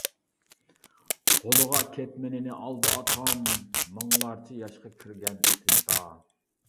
قولىغا كەتمىنىنى ئالدى ئاتام، مىڭلارچە ياشقا كىرگەن ئېتىزىدا.